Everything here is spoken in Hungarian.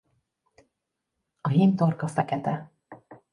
A hím torka fekete.